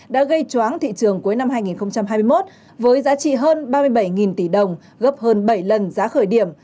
đã gây choáng thị trường cuối năm hai nghìn hai mươi một với giá trị hơn ba mươi bảy tỷ đồng gấp hơn bảy lần giá khởi điểm